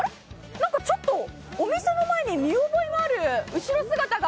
何かちょっとお店の前に見覚えのある後ろ姿が。